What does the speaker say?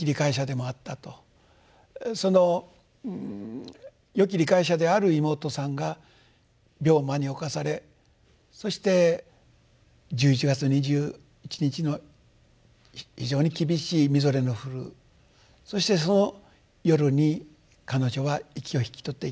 そのよき理解者である妹さんが病魔に侵されそして１１月２７日の非常に厳しいみぞれの降るそしてその夜に彼女は息を引き取っていきます。